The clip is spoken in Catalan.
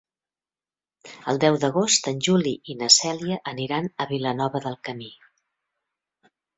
El deu d'agost en Juli i na Cèlia aniran a Vilanova del Camí.